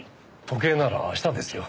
時計なら明日ですよ。